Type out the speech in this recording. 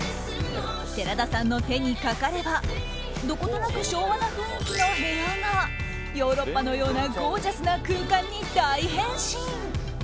寺田さんの手にかかればどことなく昭和な雰囲気の部屋がヨーロッパのようなゴージャスな空間に大変身。